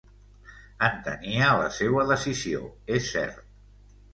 Entenia la seua decisió, és cert.